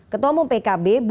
ketua pembangunan pekabu pekabu